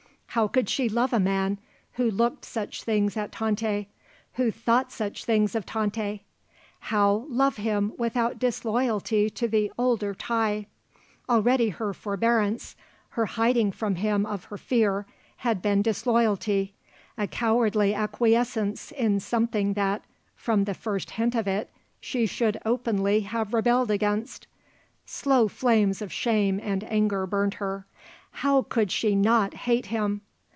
How could she love a man who looked such things at Tante who thought such things of Tante? How love him without disloyalty to the older tie? Already her forbearance, her hiding from him of her fear, had been disloyalty, a cowardly acquiescence in something that, from the first hint of it, she should openly have rebelled against. Slow flames of shame and anger burned her. How could she not hate him?